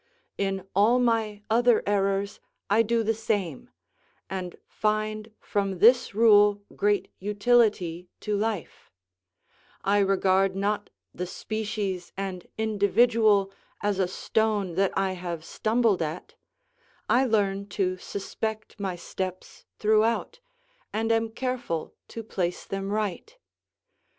In all my other errors I do the same, and find from this rule great utility to life; I regard not the species and individual as a stone that I have stumbled at; I learn to suspect my steps throughout, and am careful to place them right.